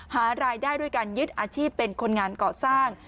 หารายได้ด้วยการยึดอาชีพเป็นคนงานก่อสร้าง